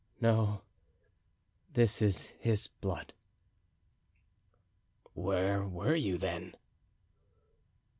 "No, this is his blood." "Where were you, then?"